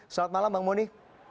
selamat malam bang boni